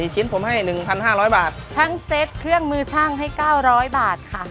ชิ้นผมให้๑๕๐๐บาททั้งเซตเครื่องมือช่างให้๙๐๐บาทค่ะ